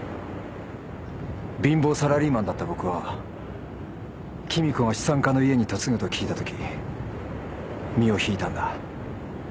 貧乏サラリーマンだった僕は君子が資産家の家に嫁ぐと聞いた時身を引いたんだ。